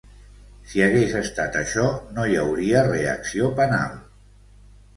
Si hagués estat això no hi hauria reacció penal.